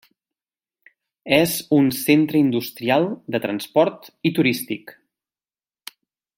És un centre industrial, de transport i turístic.